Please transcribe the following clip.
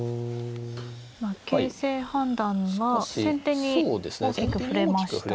今形勢判断は先手に大きく振れましたね。